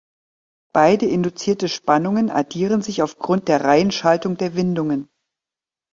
Beide induzierte Spannungen addieren sich aufgrund der Reihenschaltung der Windungen.